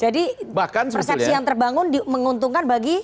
persepsi yang terbangun menguntungkan bagi